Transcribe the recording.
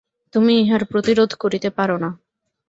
তুমি ইহার প্রতিরোধ করিতে পার না।